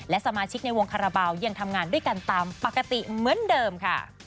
และสมาชิกในวงคาราบาลยังทำงานด้วยกันตามปกติเหมือนเดิมค่ะ